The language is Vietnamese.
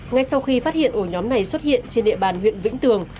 ngay sau khi phát hiện ổ nhóm này xuất hiện trên địa bàn huyện vĩnh tường